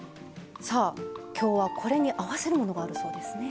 さあ今日はこれに合わせるものがあるそうですね。